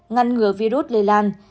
ngăn ngừa virus lây lan